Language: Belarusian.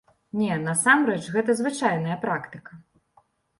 Не, насамрэч гэта звычайная практыка.